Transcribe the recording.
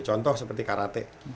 contoh seperti karate